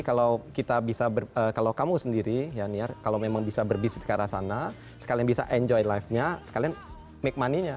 kalau kita bisa kalau kamu sendiri ya niar kalau memang bisa berbisnis ke arah sana sekalian bisa enjoy life nya sekalian make money nya